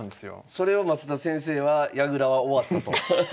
それを増田先生は矢倉は終わったと。